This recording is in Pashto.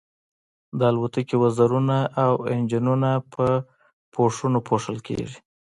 د الوتکې وزرونه او انجنونه په پوښونو پوښل کیږي